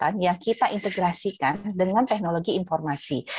protokol kesehatan yang kita integrasikan dengan teknologi informasi